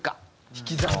引き算の？